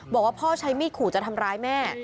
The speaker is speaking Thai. บอกว่าพ่อใช้มีดขู่จะทำร้ายแม่